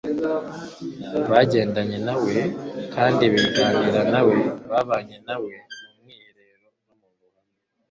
bagendanye na we kandi baganira na we; babanye na we mu rwiherero no mu ruhame.